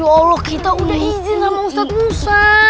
ya allah kita udah izin sama ustadz ustadz